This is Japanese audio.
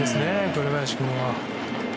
紅林君は。